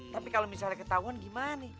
tapi kalau misalnya ketahuan gimana